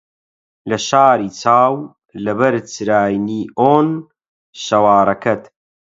لە شاری چاو لەبەر چرای نیئۆن شەوارەکەت